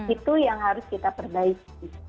itu yang harus kita perbaiki